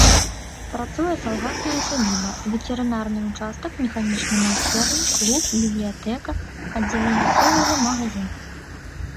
Працуе саўгасная сядзіба, ветэрынарны ўчастак, механічныя майстэрні, клуб, бібліятэка, аддзяленне сувязі, магазін.